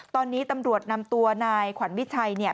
ตอนนี้ตำรวจนำตัวนายขวัญวิชัยเนี่ย